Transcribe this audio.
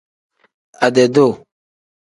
Ade-duu.